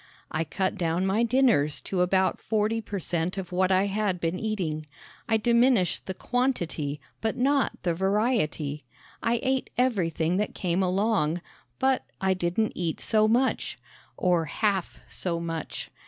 I cut down my dinners to about forty per cent of what I had been eating. I diminished the quantity, but not the variety. I ate everything that came along, but I didn't eat so much or half so much.